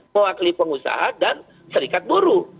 mewakili pengusaha dan serikat buruh